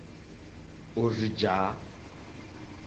Òrzì jǎ.